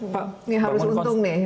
yang harus untung nih